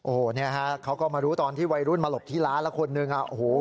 โอ้โฮเขาก็มารู้ตอนที่วัยรุ่นมาหลบที่ร้านแล้วคนหนึ่ง